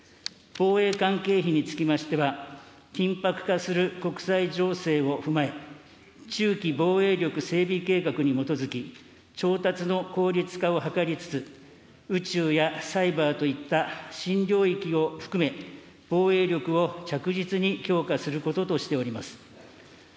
防衛関係費につきましては、緊迫化する国際情勢を踏まえ、中期防衛力整備計画に基づき、調達の効率化を図りつつ、宇宙やサイバーといった新領域を含め、防衛力を着実に強化することとしております。